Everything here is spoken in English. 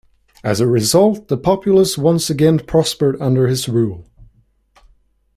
As a result, the populace once again prospered under his rule.